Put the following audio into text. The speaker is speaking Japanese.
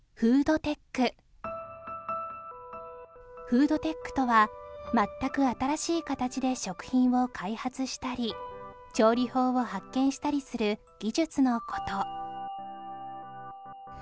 フードテックとは全く新しい形で食品を開発したり調理法を発見したりする技術の事